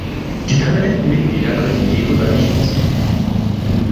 Die permanenten Mitglieder können ihr Veto dann nicht ausüben.